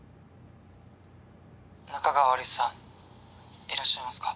仲川有栖さんいらっしゃいますか？